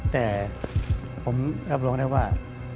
แต่ผมรับรองได้ว่า